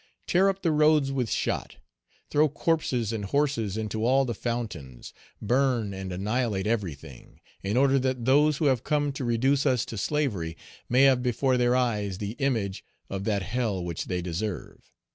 Tear up the roads with shot; throw corpses and horses into all the fountains; burn and annihilate everything, in order that those who have come to reduce us to slavery may have before their eyes the image of that hell which they deserve.